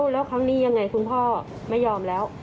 แล้วครั้งนี้ยังไงคุณพ่อไม่ยอมแล้ว